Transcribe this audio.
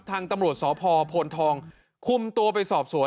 ทางตำรวจสพพลทองคุมตัวไปสอบสวน